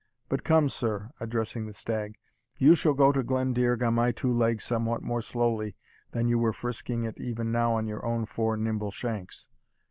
But come, sir, (addressing the stag,) you shall go to Glendearg on my two legs somewhat more slowly than you were frisking it even now on your own four nimble shanks.